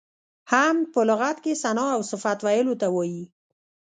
حمد په لغت کې ثنا او صفت ویلو ته وایي.